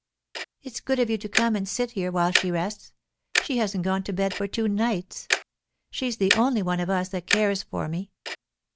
"It's good of you to come and sit here while she rests. She hasn't gone to bed for two nights. She's the only one of us that cares for me.